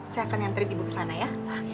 saya akan ngantri ibu ke sana ya